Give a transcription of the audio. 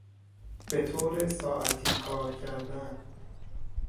به طور ساعتی کار کردن